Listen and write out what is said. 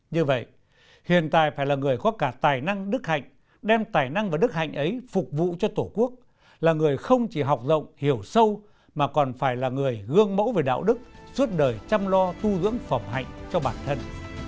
như vậy hiện tại phải là người có cả tài năng đức hạnh đem tài năng và đức hạnh ấy phục vụ cho tổ quốc là người không chỉ học rộng hiểu sâu mà còn phải là người gương mẫu về đạo đức suốt đời chăm lo tu dưỡng phẩm hạnh cho bản thân